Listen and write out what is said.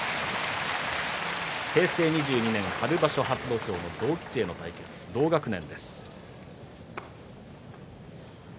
平成２２年春場所、初土俵の同期生同級生です。